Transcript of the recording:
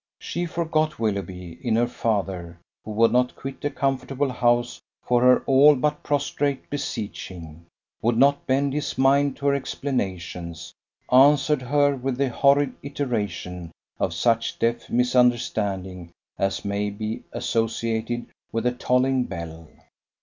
She forgot Willoughby, in her father, who would not quit a comfortable house for her all but prostrate beseeching; would not bend his mind to her explanations, answered her with the horrid iteration of such deaf misunderstanding as may be associated with a tolling bell.